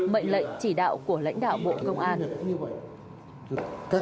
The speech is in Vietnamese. mệnh lệnh chỉ đạo của lãnh đạo bộ công an